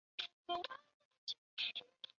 闽太祖王审知亦用此年号。